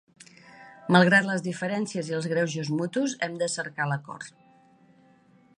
Malgrat les diferències i els greuges mutus, hem de cercar l’acord.